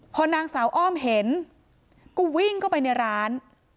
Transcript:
พอนางสาวอ้อมเห็นก็วิ่งเข้าไปในร้าน